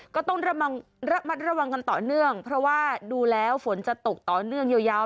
ก็ต้องระมัดระวังกันต่อเนื่องเพราะว่าดูแล้วฝนจะตกต่อเนื่องยาว